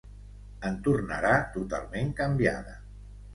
En tornarà totalment canviada.